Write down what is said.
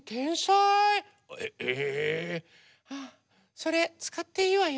それつかっていいわよ。